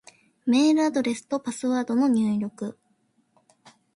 メールアドレスとパスワードの入力